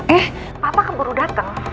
eh papa keburu dateng